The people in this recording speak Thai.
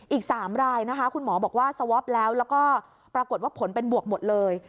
อีก๓รายนะคะคุณหมอบอกว่าสวอปแล้วแล้วก็ปรากฏว่าผลเป็นบวกหมดเลย